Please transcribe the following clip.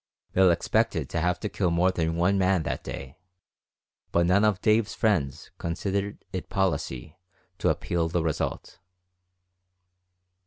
Bill expected to have to kill more than one man that day, but none of Dave's friends considered it policy to appeal the result.